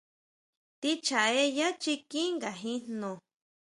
Tʼín chjaʼé yá chikín ngajín jno.